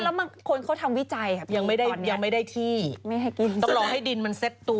แล้วคนเขาทำวิจัยครับยังไม่ได้ที่ต้องรอให้ดินมันเซ็ตตัว